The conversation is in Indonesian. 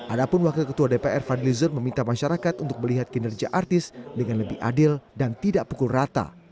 ada pun wakil ketua dpr fadlizon meminta masyarakat untuk melihat kinerja artis dengan lebih adil dan tidak pukul rata